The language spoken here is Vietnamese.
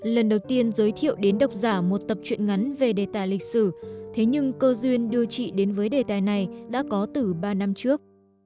lần đầu tiên giới thiệu đến độc giả một tập truyện ngắn về đề tài lịch sử thế nhưng cơ duyên đưa chị đến với đề tài này đã có từ ba năm trước